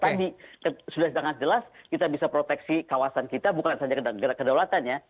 tadi sudah sangat jelas kita bisa proteksi kawasan kita bukan hanya kedaulatannya